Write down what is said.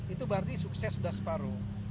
itu berarti sukses berseparu